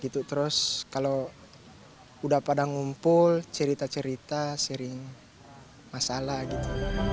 terus kalau udah pada ngumpul cerita cerita sering masalah gitu